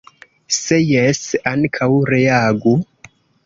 Se jes, ankaŭ reagu.